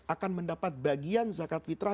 akan mendapat bagian zakat fitrah